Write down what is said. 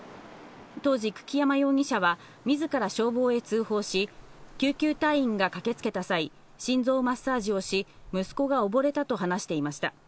当時、久木山容疑者は自ら消防へ通報し、救急隊員が駆けつけた際、心臓マッサージをし、息子がおぼれたと話していました。